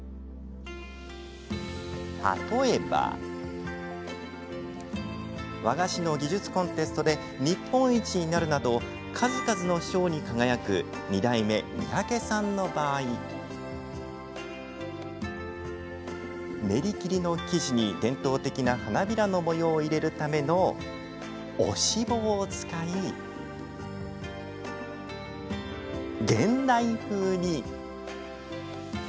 例えば和菓子の技術コンテストで日本一になるなど数々の賞に輝く和菓子店の２代目三宅さんの場合練り切りの生地に伝統的な花びらの模様を入れるための押し棒を使い現代風に。